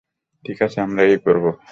ঠিক আছে, আমরা এই করব।